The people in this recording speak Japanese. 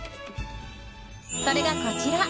それが、こちら。